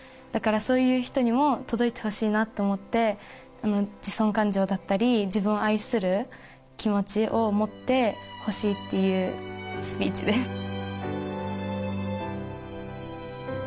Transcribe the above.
だからそういう人にも届いてほしいなって思って自尊感情だったり自分を愛する気持ちを持ってほしいっていうスピーチです。